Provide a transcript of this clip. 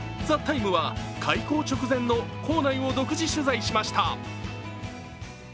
「ＴＨＥＴＩＭＥ，」は開校直前の校内を独自取材しました。